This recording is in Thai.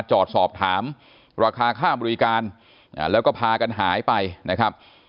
จอดสอบถามราคาค่าบริการแล้วก็พากันหายไปนะครับ